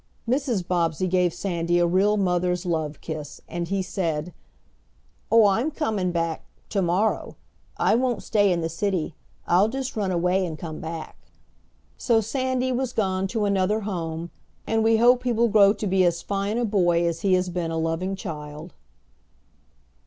Mrs. Bobbsey gave Sandy a real mother's love kiss, and he said: "Oh, I'm comin' beck to morrow. I won't stay in the city. I'll just run away and come back." So Sandy was gone to another home, and we hope he will grow to be as fine a boy as he has been a loving child.